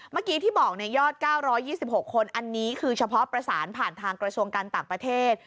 เมื่อกี้ที่บอกยอด๙๒๖คนอันนี้คือเฉพาะประสานผ่านทางกระทรวงการต่างประเทศ